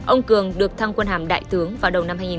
ông cường được thăng quân hàm đại tướng vào đầu năm hai nghìn một mươi